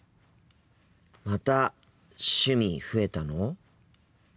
また趣味増えたの！？